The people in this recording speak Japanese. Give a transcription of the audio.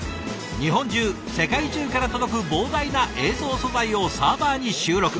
日本中世界中から届く膨大な映像素材をサーバーに収録。